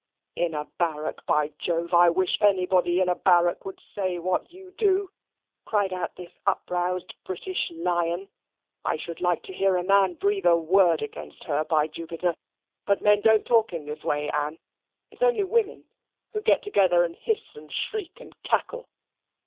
"In a barrack, by Jove I wish anybody in a barrack would say what you do," cried out this uproused British lion. "I should like to hear a man breathe a word against her, by Jupiter. But men don't talk in this way, Ann: it's only women, who get together and hiss, and shriek, and cackle.